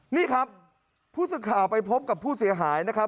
นี่ครับผู้สื่อข่าวไปพบกับผู้เสียหายนะครับ